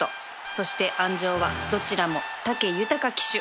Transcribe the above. そして鞍上はどちらも武豊騎手